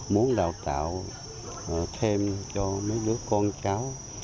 muốn đào tạo thêm cho mấy đứa con cháu